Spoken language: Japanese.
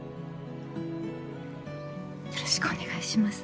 よろしくお願いします